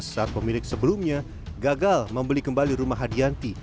saat pemilik sebelumnya gagal membeli kembali rumah hadianti